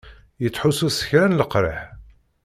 Yettḥussu s kra n leqriḥ?